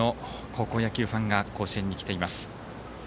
今日も多くの高校野球ファンが甲子園にきています。